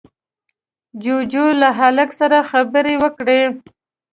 جُوجُو له هلک سره خبرې وکړې.